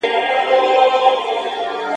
د کډوالو په اړه قوانین باید په پوره دقت پلي سي.